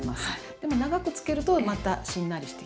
でも長く漬けるとまたしんなりしてきます。